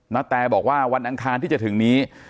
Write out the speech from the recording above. นาแตบอกว่าวันอังคารที่จะถึงนี้